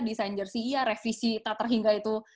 desain jersi iya revisi tater hingga itu